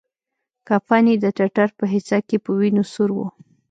کفن يې د ټټر په حصه کښې په وينو سور و.